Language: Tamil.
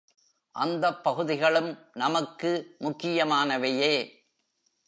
அந்தப் பகுதிகளும் நமக்கு முக்கியமானவையே.